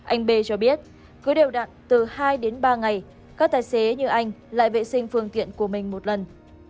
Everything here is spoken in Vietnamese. anh b cho biết cứ đều đặn từ hai đến ba ngày các tài xế như anh lại vệ sinh phương tiện của mình một lần